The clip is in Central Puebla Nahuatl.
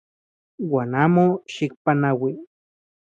Uan amo xikpanaui.